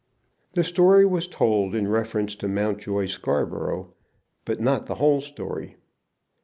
The story was told in reference to Mountjoy Scarborough, but not the whole story.